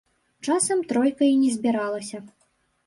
Часам тройка і не збіралася.